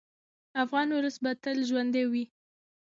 افغان ولس به تل ژوندی وي.